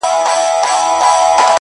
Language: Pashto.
هغې بېگاه زما د غزل کتاب ته اور واچوه؛